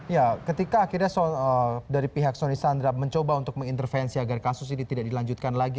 ya ketika akhirnya dari pihak soni sandra mencoba untuk mengintervensi agar kasus ini tidak dilanjutkan lagi